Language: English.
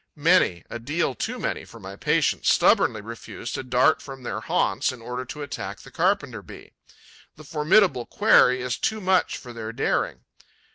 Many, a deal too many for my patience, stubbornly refuse to dart from their haunts in order to attack the Carpenter bee. The formidable quarry is too much for their daring.